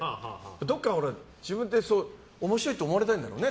どこかで自分で面白いって思われたいんだろうね。